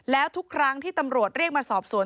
แล้วทุกครั้งที่ตำรวจเรียกมาสอบสวน